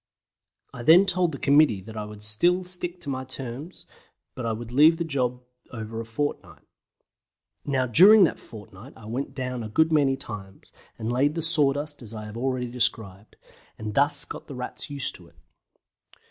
I then told the committee that I would still stick to my terms, but I would leave the job over for a fortnight. Now during that fortnight I went down a good many times, and laid the sawdust as I have already described, and thus got the Rats used to it.